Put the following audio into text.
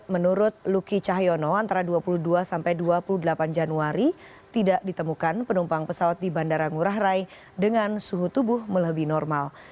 menurut luki cahyono antara dua puluh dua sampai dua puluh delapan januari tidak ditemukan penumpang pesawat di bandara ngurah rai dengan suhu tubuh melebih normal